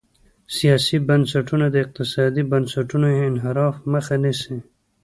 سیاسي بنسټونه د اقتصادي بنسټونو انحراف مخه نیسي.